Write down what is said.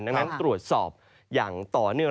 ดังนั้นตรวจสอบอย่างต่อเนื่อง